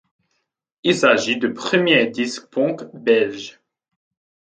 Il s'agit du premier disque punk belge.